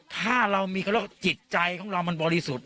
ถ้าเรามีจิตใจของเรามันบริสุทธิ์